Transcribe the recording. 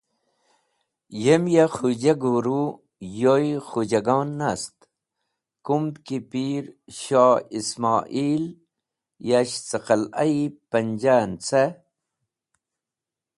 Yem ya Khũja guru yoy Khojagon nast, kumd ki Pir Shoh Ismo’il yash cẽ Qala-e Panja en ce.